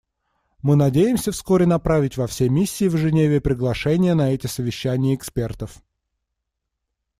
Мы надеемся вскоре направить во все миссии в Женеве приглашение на эти совещания экспертов.